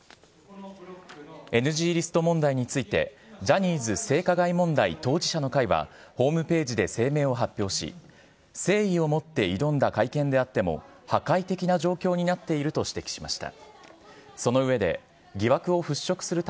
ＮＧリスト問題について、ジャニーズ性加害問題当事者の会は、ホームページで声明を発表し、誠意を持って挑んだ会見であっても、破壊的な状況になっていると指摘しました。